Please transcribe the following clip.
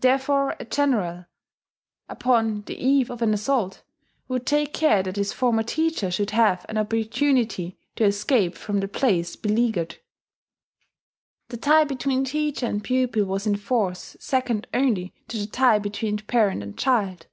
Therefore a general, upon the eve of an assault, would take care that his former teacher should have an opportunity to escape from the place beleaguered. The tie between teacher and pupil was in force second only to the tie between parent and child.